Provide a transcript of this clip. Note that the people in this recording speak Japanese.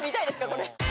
これ。